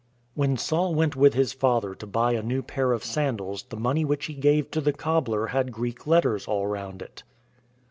When Saul went with his father to buy a new pair of sandals the money which he gave to the cobbler had Greek letters all round it.